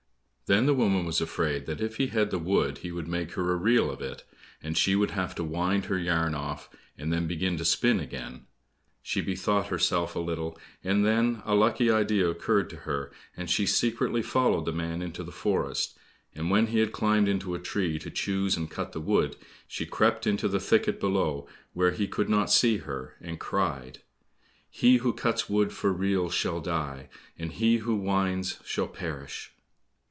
Then the woman was afraid that if he had the wood he would make her a reel of it, and she would have to wind her yarn off, and then begin to spin again. She bethought herself a little, and then a lucky idea occurred to her, and she secretly followed the man into the forest, and when he had climbed into a tree to choose and cut the wood, she crept into the thicket below where he could not see her, and cried, "He who cuts wood for reels shall die, And he who winds, shall perish."